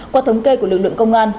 qua thống kê của lực lượng công an